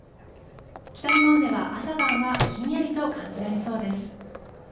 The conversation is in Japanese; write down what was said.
北日本では朝晩はひんやりと感じられそうです。